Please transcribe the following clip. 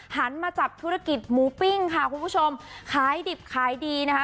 หันมาจับธุรกิจหมูปิ้งค่ะคุณผู้ชมขายดิบขายดีนะคะ